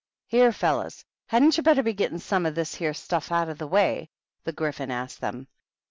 "Here, fellows, hadn't you better be gettin' some of this here stuff out of the way?'* the Gryphon asked them.